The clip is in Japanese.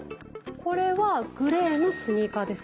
これはグレーのスニーカーです。